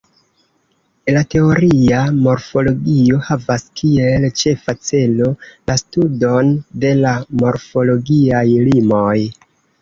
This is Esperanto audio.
La teoria morfologio havas kiel ĉefa celo la studon de la morfologiaj limoj.